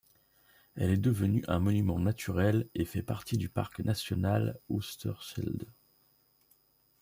Elle est devenue un monument naturel et fait partie du parc national Oosterschelde.